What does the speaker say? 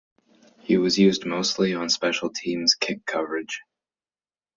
He was used mostly on special teams kick coverage.